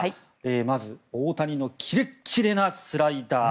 まず大谷のキレキレなスライダー。